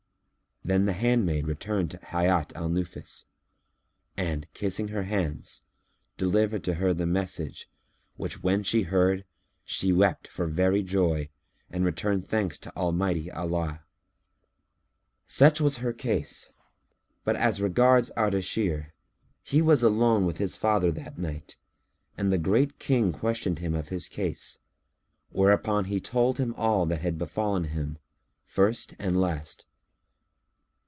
Then the handmaid returned to Hayat al Nufus; and, kissing her hands, delivered to her the message, which when she heard, she wept for very joy and returned thanks to Almighty Allah. Such was her case; but as regards Ardashir, he was alone with his father that night and the Great King questioned him of his case, whereupon he told him all that had befallen him, first and last.